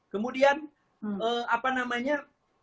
kemudian apa namanya